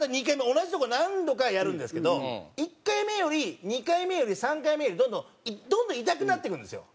同じとこ何度かやるんですけど１回目より２回目より３回目よりどんどんどんどん痛くなってくるんですよ。